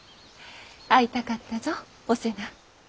会いたかったぞお瀬名。